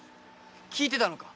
聞いてたのか？